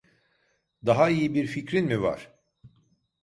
Daha iyi bir fikrin mi var?